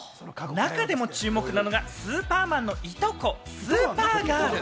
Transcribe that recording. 中でも注目なのが、スーパーマンのいとこ、スーパーガール。